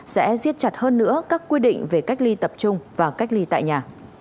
sẽ giết chặt hơn nữa các quy định về cách ly tập trung và cách ly tại nhà